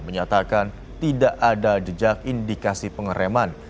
menyatakan tidak ada jejak indikasi pengereman